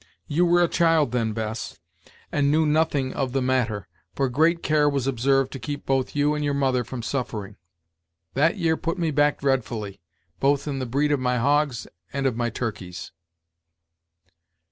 You were a child then, Bess, and knew nothing of the matter, for great care was observed to keep both you and your mother from suffering. That year put me back dreadfully, both in the breed of my hogs and of my turkeys."